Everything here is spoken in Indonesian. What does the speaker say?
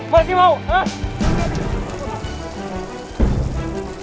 masih mau hah